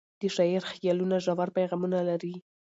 د شاعر خیالونه ژور پیغامونه لري.